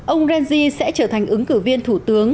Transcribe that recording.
ông renzy sẽ trở thành ứng cử viên thủ tướng